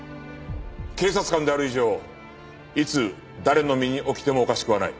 警察官である以上いつ誰の身に起きてもおかしくはない。